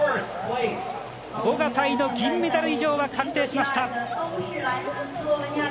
ボガタイの銀メダル以上は確定しました。